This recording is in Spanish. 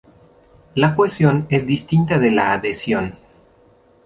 La cohesión es distinta de la adhesión.